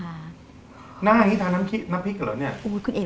น่าอย่างงี้ทาน้ำพริกเหรอเนี่ย